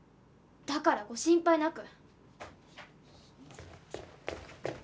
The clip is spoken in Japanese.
だからご心配なく。